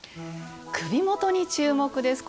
首元に注目です。